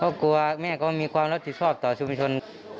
ก็กลัวแม่มีความรับผิดความเที่ยวชอบต่อชูมิชน